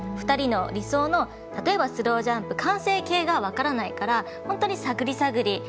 ２人の理想の例えばスロージャンプ、完成形が分からないから、本当に探り探り。